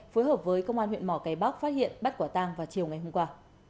phối hợp với công an huyện mò cái bắc phát hiện bắt quả tang vào chiều ngày hôm qua